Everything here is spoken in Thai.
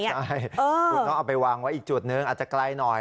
ใช่คุณต้องเอาไปวางไว้อีกจุดนึงอาจจะไกลหน่อย